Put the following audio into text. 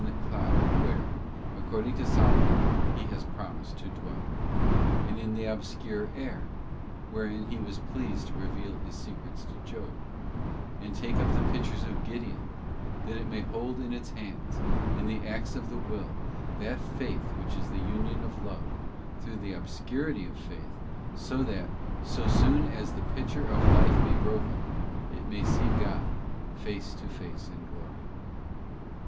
the cloud where, according to Solomon, He has promised to dwell; and in the obscure air, wherein He was pleased to reveal His secrets to Job; and take 3 up the pitchers of Gideon, that it may hold in its hands, in the acts of the will, that light which is the union of love— though in the obscurity of faith—so that, as soon as the pitcher of life be broken, it may see God face to face in glory.